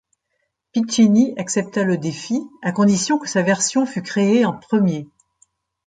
Piccinni accepta le défi, à condition que sa version fût créée en premier.